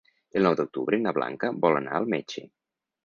El nou d'octubre na Blanca vol anar al metge.